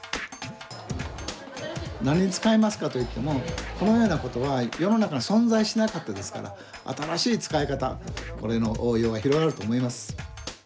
何に使いますかといってもこのようなことは世の中に存在しなかったですから新しい使い方これの応用が広がると思います。